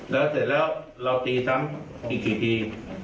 แล้วเสร็จแล้วเราตีซ้ำอีกกี่ที